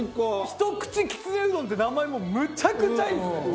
「ひと口きつねうどん」って名前もむちゃくちゃいいですね。